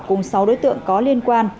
cùng sáu đối tượng có liên quan